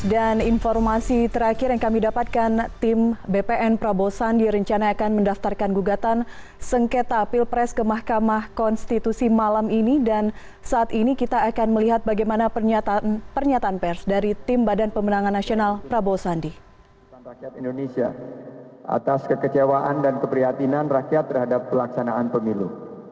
dan keprihatinan rakyat terhadap pelaksanaan pemilu